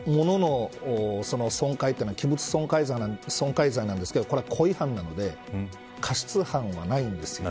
物の損壊というのは器物損壊罪になんですがこれは故意犯なので過失犯ではないんです。